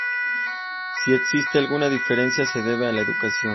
Si existe alguna diferencia se debe a la educación.